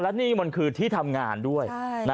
และนี่มันคือที่ทำงานด้วย